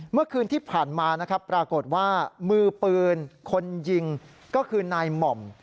เมื่อคืนที่ผ่านมานะครับปรากฏว่ามือปืนคนยิงก็คือนายหม่อม